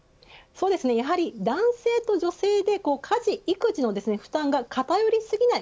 やはり男性と女性で家事育児の負担が偏りすぎない。